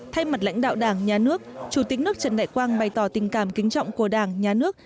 thay mặt lãnh đạo đảng nhà nước chủ tịch nước trần đại quang bày tỏ tình cảm kính trọng của đảng nhà nước